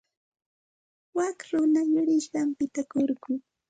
Wak runaqa yurisqanpita kurku.